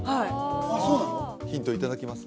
あヒントいただきます？